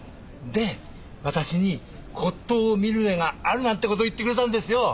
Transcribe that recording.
で私に骨董を見る目があるなんて事を言ってくれたんですよ。